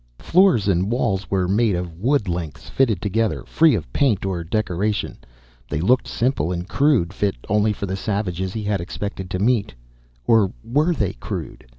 Floor and walls were made of wood lengths fitted together, free of paint or decoration. They looked simple and crude, fit only for the savages he had expected to meet. Or were they crude?